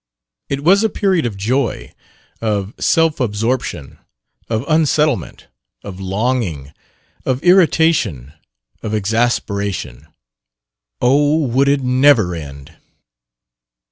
It was a period of joy, of self absorption, of unsettlement, of longing, of irritation, of exasperation oh, would it never end!